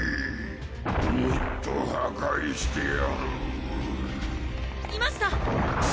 もっと破壊してやる・いました！